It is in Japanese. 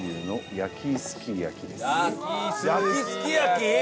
「焼きすき焼き」？